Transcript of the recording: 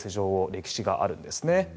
歴史があるんですね。